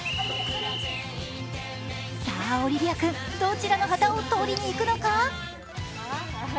さあ、オリビア君、どちらの旗を取りに行くのか？